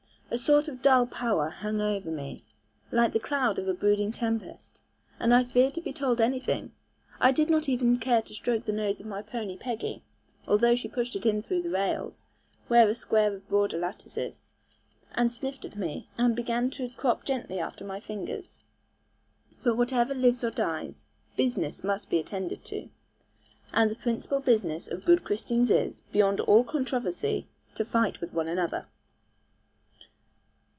A sort of dull power hung over me, like the cloud of a brooding tempest, and I feared to be told anything. I did not even care to stroke the nose of my pony Peggy, although she pushed it in through the rails, where a square of broader lattice is, and sniffed at me, and began to crop gently after my fingers. But whatever lives or dies, business must be attended to; and the principal business of good Christians is, beyond all controversy, to fight with one another.